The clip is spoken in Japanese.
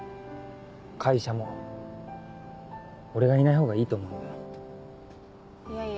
会社も俺がいないほうがいいと思うんで。